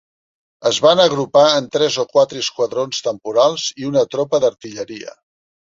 Es van agrupar en tres o quatre esquadrons temporals i una tropa d'artilleria.